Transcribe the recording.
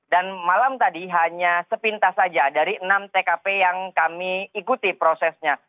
dan malam tadi hanya sepintas saja dari enam tkp yang kami ikuti prosesnya